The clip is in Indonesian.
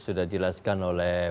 sudah dijelaskan oleh